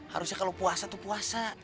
harusnya kalau puasa tuh puasa